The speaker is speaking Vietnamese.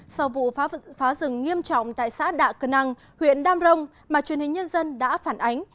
sau vụ phá rừng nghiêm trọng tại xã đạ cờ năng huyện đam rông mà truyền hình nhân dân đã phản ánh